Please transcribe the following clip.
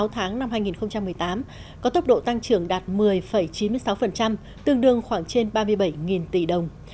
sáu tháng năm hai nghìn một mươi tám có tốc độ tăng trưởng đạt một mươi chín mươi sáu tương đương khoảng trên ba mươi bảy tỷ đồng